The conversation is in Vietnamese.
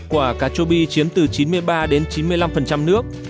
quả cà chua bi chiếm từ chín mươi ba đến chín mươi năm nước